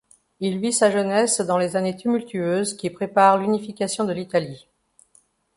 Il vit sa jeunesse dans les années tumultueuses qui préparent l'unification de l'Italie.